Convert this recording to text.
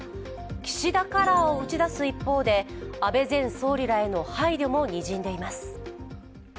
岸田カラーを打ち出す一方で安倍前総理への配慮もにじんでいます。